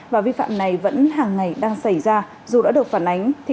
và vi phạm này vẫn hàng ngày đang xảy ra dù đã được phản ánh